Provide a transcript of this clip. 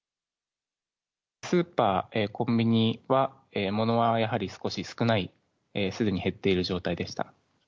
スーパー、コンビニは、物はやはり少し少ない、すでに減っている状態でした。